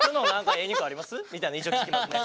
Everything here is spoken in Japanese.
みたいなの一応聞きますね。